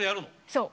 そう。